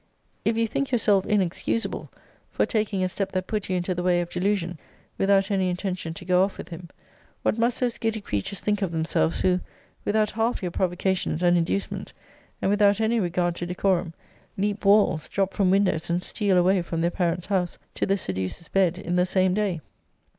If you think yourself inexcusable for taking a step that put you into the way of delusion, without any intention to go off with him, what must those giddy creatures think of themselves, who, without half your provocations and inducements, and without any regard to decorum, leap walls, drop from windows, and steal away from their parents' house, to the seducer's bed, in the same day?